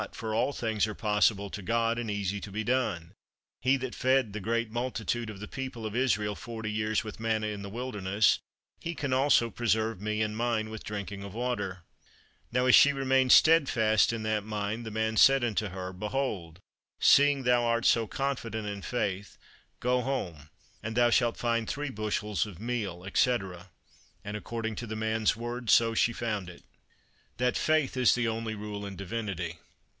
for all things are possible to God and easy to be done; he that fed the great multitude of the people of Israel forty years with manna in the wilderness, he can also preserve me and mine with drinking of water." Now, as she remained steadfast in that mind, the man said unto her, "Behold! seeing thou art so confident in faith, go home, and thou shalt find three bushels of meal," etc. And according to the man's word, so she found it. That Faith is the only Rule in Divinity.